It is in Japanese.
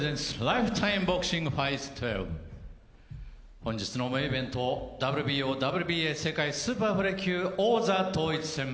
本日のメインイベントＷＢＯ・ＷＢＡ世界スーパーフライ級王座統一戦。